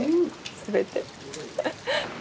全て。